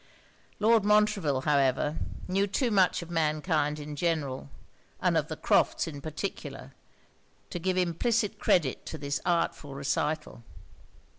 Lord Montreville, however, knew too much of mankind in general, and of the Crofts' in particular, to give implicit credit to this artful recital.